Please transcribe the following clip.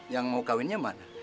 yang mau kawinnya mak